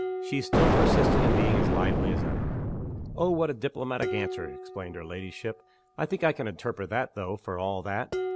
She still persisted in being as lively as ever. "Oh, what a diplomatic answer!" exclaimed her ladyship. "I think I can interpret it, though, for all that.